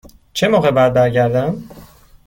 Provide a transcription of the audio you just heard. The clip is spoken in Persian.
چه موقع باید برگردم؟